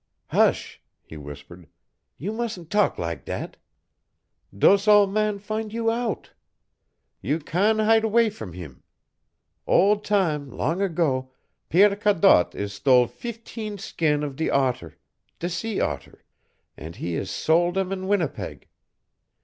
"Hush," he whispered. "You mustn't talk lak' dat. Dose ole man fin' you out. You can' hide away from heem. Ole tam long ago, Pierre Cadotte is stole feefteen skin of de otter de sea otter and he is sol' dem on Winnipeg.